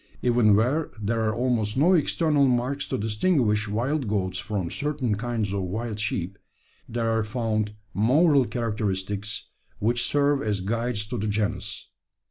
Even where there are almost no external marks to distinguish wild goats from certain kinds of wild sheep, there are found moral characteristics which serve as guides to the genus.